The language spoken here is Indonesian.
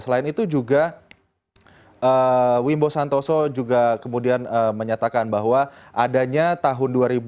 selain itu juga wimbo santoso juga kemudian menyatakan bahwa adanya tahun dua ribu dua puluh